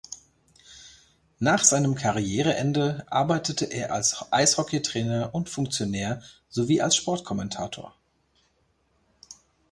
Nach seinem Karriereende arbeitete er als Eishockeytrainer und -funktionär sowie als Sportkommentator.